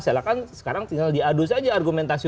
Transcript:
silahkan sekarang tinggal diadu saja argumentasi